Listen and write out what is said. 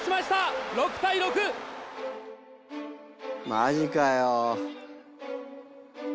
マジかよ。